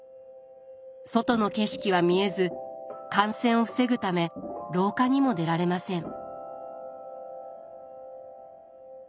外の景色は見えず感染を防ぐため廊下にも出られません。